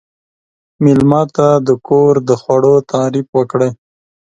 مېلمه ته د کور د خوړو تعریف وکړئ.